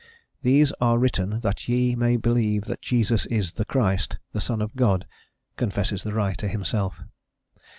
"These are written that ye may believe that Jesus is the Christ, the Son of God," confesses the writer himself.